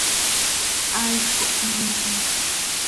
Haaix cohpmiijim.